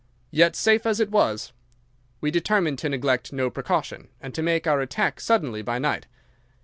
Yet, safe as it was, we determined to neglect no precaution, and to make our attack suddenly by night.